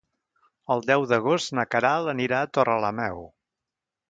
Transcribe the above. El deu d'agost na Queralt anirà a Torrelameu.